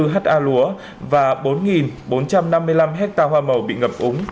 tám trăm bảy mươi bốn ha lúa và bốn bốn trăm năm mươi năm ha hoa màu